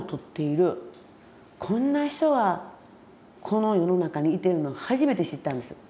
こんな人はこの世の中にいてるの初めて知ったんです。